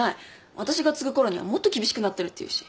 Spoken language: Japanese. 私が継ぐころにはもっと厳しくなってるっていうし。